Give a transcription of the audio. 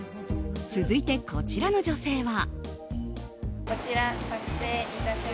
続いて、こちらの女性は。